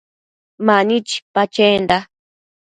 Mani chipa chenda